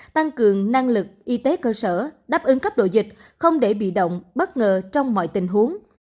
tăng cường năng lực y tế cơ sở đáp ứng cấp độ dịch không để bị động bất ngờ trong mọi tình huống